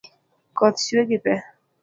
Koth chwe gi pee.